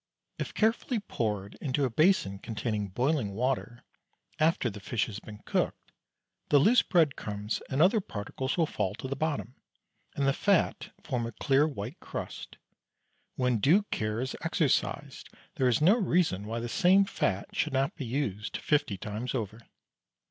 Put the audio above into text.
If carefully poured into a basin containing boiling water after the fish has been cooked, the loose breadcrumbs and other particles will fall to the bottom, and the fat form a clear white crust. When due care is exercised there is no reason why the same fat should not be used fifty times over.